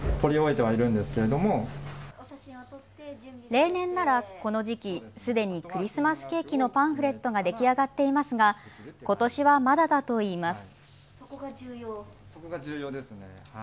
例年ならこの時期、すでにクリスマスケーキのパンフレットが出来上がっていますがことしはまだだといいます。